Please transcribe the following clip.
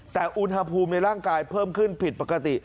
แต่อุณหภูมิในร่างกายเพิ่มขึ้นผิดปกติ